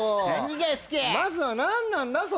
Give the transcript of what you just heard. まずは何なんだ？